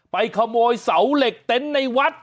ไปขโมยเสาเหล็กเต็นต์ในวัด